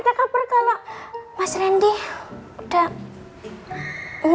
ngasih hasil kalau mas rendy baik baik aja